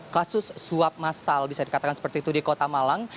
kasus suap masal bisa dikatakan seperti itu di kota malang